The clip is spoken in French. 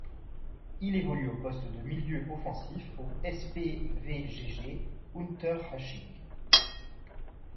Il évolue au poste de milieu offensif au SpVgg Unterhaching.